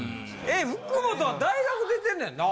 福本は大学出てんねんな？